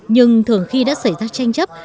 nhưng thường khi đã xảy ra tranh chấp